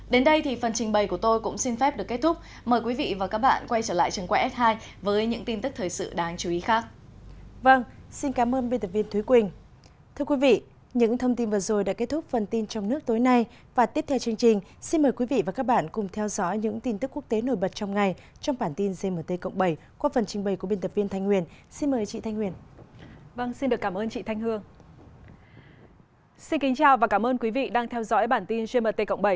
đến đây thì phần trình bày của tôi cũng xin phép được kết thúc mời quý vị và các bạn quay trở lại trường quay s hai với những tin tức thời sự đáng chú ý khác